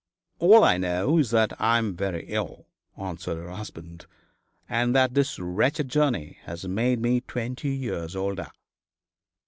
'All I know is that I am very ill,' answered her husband, 'and that this wretched journey has made me twenty years older.'